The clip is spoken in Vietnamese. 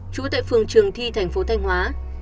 chú tại phường trường thi tp thanh hóa